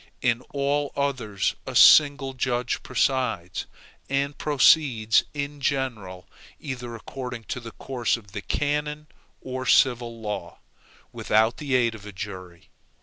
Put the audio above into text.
In all the others a single judge presides, and proceeds in general either according to the course of the canon or civil law, without the aid of a jury.